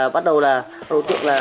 bắt đầu là đối tượng